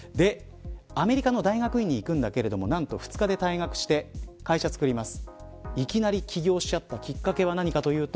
アメリカの大学院に行くんだけれども２日で退学して会社をつくります。